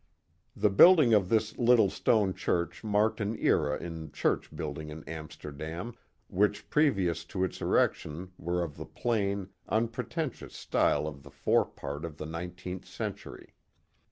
The building of this little stone church marked an era in church building in Amsterdam, which previous to its erection were of the plain, unpretentious style of the fore part of the nineteenth century.